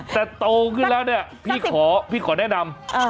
แต่โตขึ้นแล้วเนี่ยพี่ขอพี่ขอแนะนำ